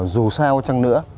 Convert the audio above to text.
dù sao chăng nữa